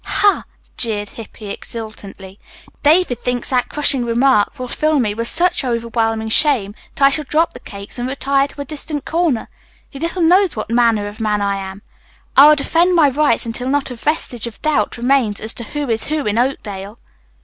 "Ha," jeered Hippy exultantly. "David thinks that crushing remark will fill me with such overwhelming shame that I shall drop the cakes and retire to a distant corner. He little knows what manner of man I am. I will defend my rights until not a vestige of doubt remains as to who is who in Oakdale."